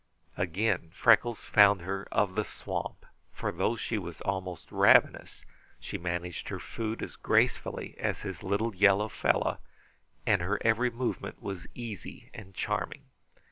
Again Freckles found her of the swamp, for though she was almost ravenous, she managed her food as gracefully as his little yellow fellow, and her every movement was easy and charming.